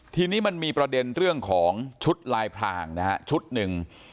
ทีนี้มันมีประเด็นเรื่องของชุดลายพรางนะฮะชุดหนึ่ง